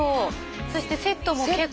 そしてセットも結構。